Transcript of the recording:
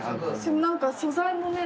何か素材もね